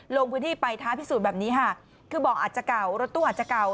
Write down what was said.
ลงพื้นที่ไปท้าพิสูจน์แบบนี้ค่ะคือบ่ออาจจะเก่ารถตู้อาจจะเก่า